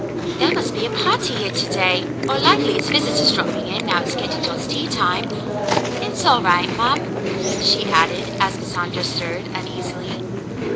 "There must be a party here to day, or likely it's visitors dropping in, now it's getting toward tea time. It's all right, ma'm," she added, as Cassandra stirred uneasily.